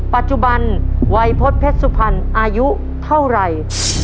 ปัจจุบันวัยพฤษเพชรสุพรรณอายุเท่าไหร่